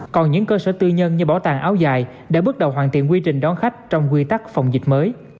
còn những cơ sở tư nhân như bảo tàng áo dài để bước đầu hoàn thiện quy trình đón khách trong quy tắc phòng dịch mới